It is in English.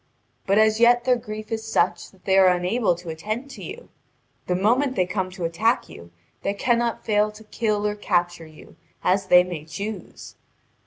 But as yet their grief is such that they are unable to attend to you. The moment they come to attack you, they cannot fail to kill or capture you, as they may choose."